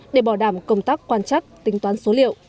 để bỏ đảm công tác quan trắc tính toán số liệu